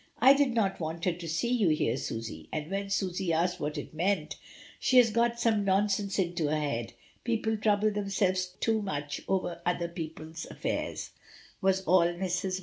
"I did not want her to see you here, Susy." And when Susy asked what it meant, "She has got some nonsense in her head — people trouble themselves too much about other people's affairs," was all Mrs. Marney 122 MRS.